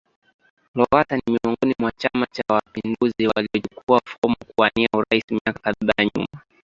Lowassa ni miongoni mwa chama Cha mapinduzi waliochukua fomu kuwania urais miaka kadhaa nyuma